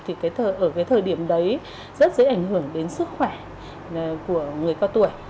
thì ở cái thời điểm đấy rất dễ ảnh hưởng đến sức khỏe của người cao tuổi